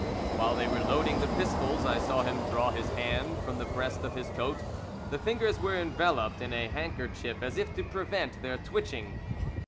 While they were loading the pistols I saw him draw his hand from the breast of his coat. The fingers were enveloped in a handkerchief as if to prevent their twitching.